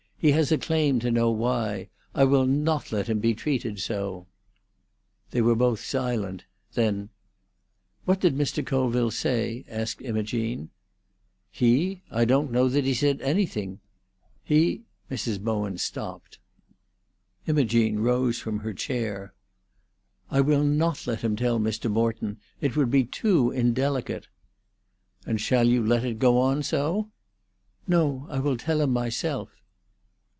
He has a claim to know why. I will not let him be treated so." They were both silent. Then, "What did Mr. Colville say?" asked Imogene. "He? I don't know that he said anything. He——" Mrs. Bowen stopped. Imogene rose from her chair. "I will not let him tell Mr. Morton. It would be too indelicate." "And shall you let it go on so?" "No. I will tell him myself."